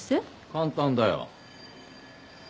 簡単だよ。